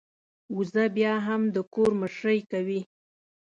وزه بيا هم د کور مشرۍ کوي.